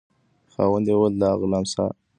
خاوند یې وویل چې دا غلام ستا مال شو.